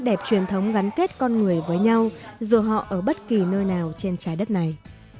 đẹp truyền thống gắn kết con người với nhau dù họ ở bất kỳ nơi nào trên trái đất này